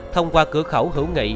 thông qua cửa khẩu hữu nghị